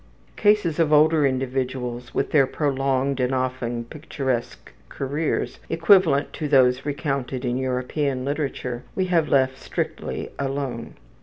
Cases of older individuals with their prolonged and often picturesque careers, equivalent to those recounted in European literature, we have left strictly alone.